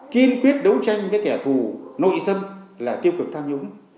kiên quyết đấu tranh với thẻ thù nội dân là tiêu cực tham nhũng